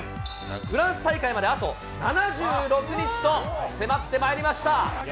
フランス大会まであと７６日と迫ってまいりました。